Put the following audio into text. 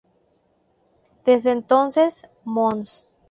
Desde entonces, Mons.